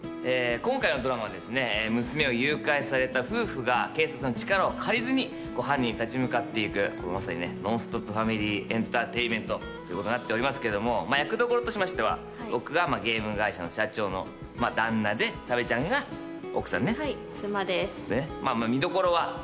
今回のドラマはですね娘を誘拐された夫婦が警察の力を借りずに犯人に立ち向かっていくまさにねノンストップファミリーエンターテインメントということになっておりますけども役どころとしましては僕がゲーム会社の社長の旦那で多部ちゃんが奥さんねはい妻ですまあまあ見どころは？